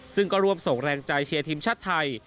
ซึ่งก็ร่วมส่งแรงใจเชียร์ทีมชาติไทย